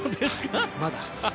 まだ。